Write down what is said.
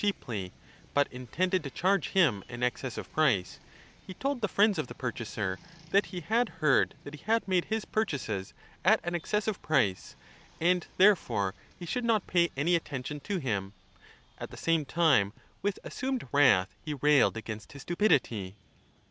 I352 1 OECONOMICA 5 cheaply but intended to charge him an excessive price, he told the friends of the purchaser that he had heard that he had made his purchases at an excessive price and therefore he should not pay any attention to him ; at the same time with assumed wrath he railed against his stupidity.